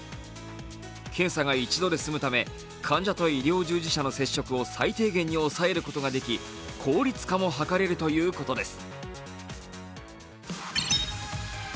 検査が一度で済むため、患者と医療従事者の接触を最低限に抑えることができ、効率化も図れるということです。